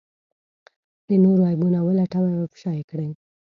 د نورو عيبونه ولټوي او افشا کړي.